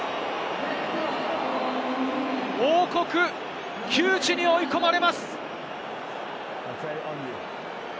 王国、窮地に追い込まれます。